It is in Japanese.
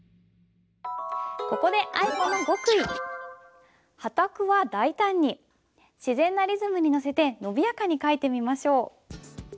ここで自然なリズムにのせてのびやかに書いてみましょう。